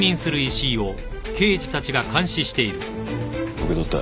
受け取った。